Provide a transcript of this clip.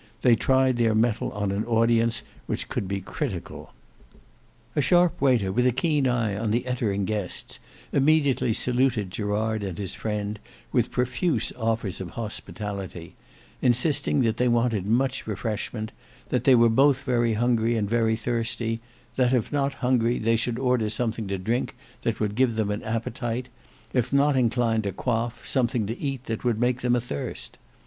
They tried their metal on an audience which could be critical. A sharp waiter, with a keen eye on the entering guests, immediately saluted Gerard and his friend, with profuse offers of hospitality: insisting that they wanted much refreshment; that they were both very hungry and very thirsty: that, if not hungry, they should order something to drink that would give them an appetite: if not inclined to quaff, something to eat that would make them athirst.